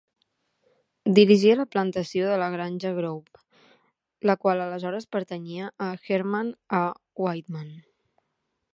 Dirigia la plantació de la granja Grove, la qual aleshores pertanyia a Hermann A. Widemann.